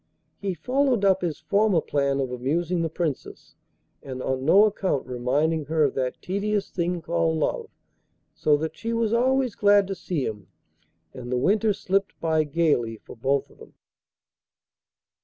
He followed up his former plan of amusing the Princess, and on no account reminding her of that tedious thing called 'love,' so that she was always glad to see him, and the winter slipped by gaily for both of them.